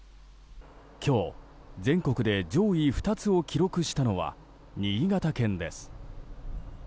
今日、全国で上位２つを記録したのは新潟県です。